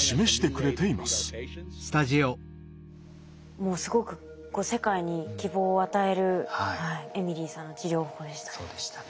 もうすごく世界に希望を与えるエミリーさんの治療法でしたね。